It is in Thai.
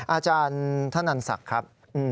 อาจารย์ท่านอันสักครับ